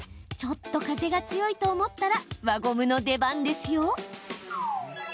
ちょっと風が強いと思ったら輪ゴムの出番ですよ。